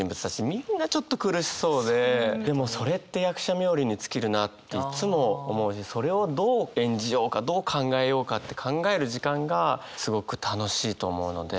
みんなちょっと苦しそうででもそれって役者冥利に尽きるなっていつも思うしそれをどう演じようかどう考えようかって考える時間がすごく楽しいと思うので。